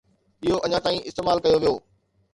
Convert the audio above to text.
اهو اڃا تائين استعمال ڪيو ويو